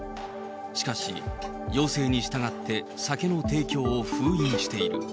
しかし、要請に従って、酒の提供を封印している。